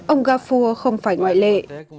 ông gafur không phải ngoại lệ